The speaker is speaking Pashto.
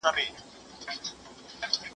د نرمغالي په مابينځ کي مي خپله کيسې پوره کړې.